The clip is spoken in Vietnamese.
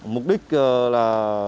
mục đích là